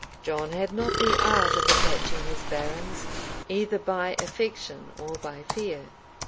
} John had not the art of attaching his barons either by affection or by fear.